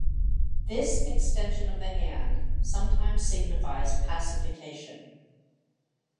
This extension of the hand sometimes signifies pacification.